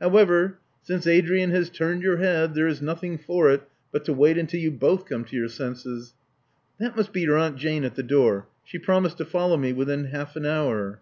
However, since Adrian has turned your head, there is nothing for it but to wait until you both come to your senses. That must be your Aunt Jane at the door. ' She promised to follow me within half an hour."